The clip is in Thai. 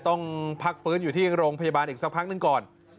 ต้องพักฟื้นอยู่ที่โรงพยาบาลอีกสักพักหนึ่งก่อน